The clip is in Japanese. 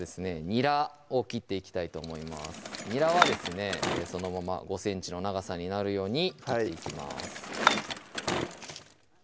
にらを切っていきたいと思いますにらはですねそのまま５ｃｍの長さになるように切っていきます